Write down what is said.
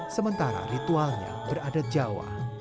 sementara ritualnya beradat jawa